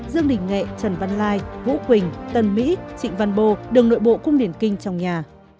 dương đình nghệ trần văn lai vũ quỳnh tân mỹ trịnh văn bô đường nội bộ cung điển kinh trong nhà